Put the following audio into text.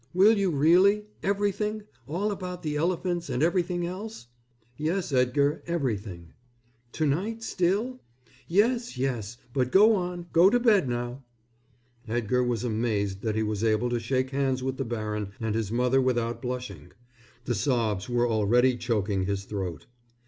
"Will you really? Everything? All about the elephants and everything else?" "Yes, Edgar, everything." "To night still?" "Yes, yes. But go on, go to bed now." Edgar was amazed that he was able to shake hands with the baron and his mother without blushing. The sobs were already choking his throat.